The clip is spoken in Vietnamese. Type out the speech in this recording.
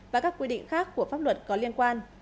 và các quy định khác của pháp luật có liên quan